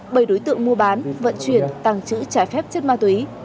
bầy đối tượng mua bán vận chuyển tàng trữ trải phép chất ma túy